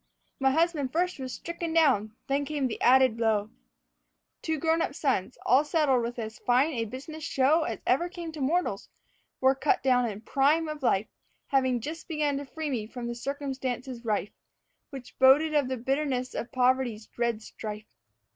My husband first was stricken down; then came the added blow: Two grown up sons, all settled with as fine a business show As ever comes to mortals, were cut down in prime of life, Having just begun to free me from the circumstances rife, Which boded of the bitterness of poverty's dread strife.